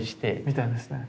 見たんですね。